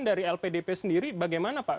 dari lpdp sendiri bagaimana pak